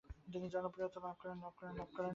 তিনি জনপ্রিয়তা লাভ করেন।